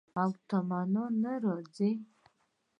او تمنا نه راځي